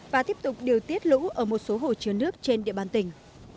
và tiếp tục điều tiết lũ ở một số hồ chứa nước trên địa bàn tỉnh